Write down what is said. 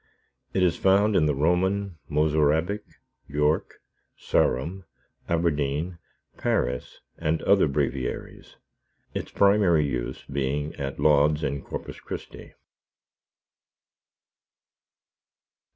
It is found in the Roman, Mozarabic, York, Sarum, Aberdeen, Paris, and other Breviaries, its primary use being at Lauds in Corpus Christi.